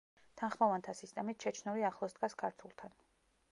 თანხმოვანთა სისტემით ჩეჩნური ახლოს დგას ქართულთან.